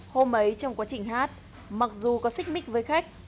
hôm ấy trong quá trình hát mặc dù có xích mích với khách